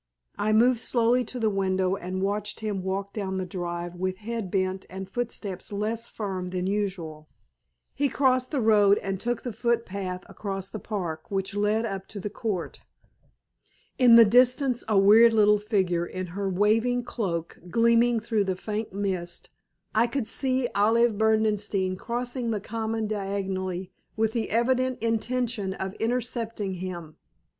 I moved slowly to the window and watched him walk down the drive with head bent and footsteps less firm than usual. He crossed the road and took the footpath across the park which led up to the Court. In the distance, a weird little figure in her waving cloak gleaming through the faint mist, I could see Olive Berdenstein crossing the common diagonally with the evident intention of intercepting him.